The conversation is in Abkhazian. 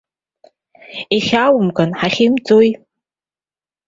Ихьааумган, ҳахьымӡои.